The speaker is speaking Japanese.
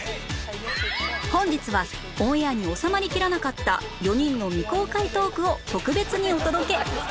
本日はオンエアに収まりきらなかった４人の未公開トークを特別にお届け